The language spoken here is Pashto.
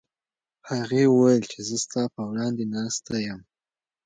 هغې وویل چې زه ستا په وړاندې ناسته یم.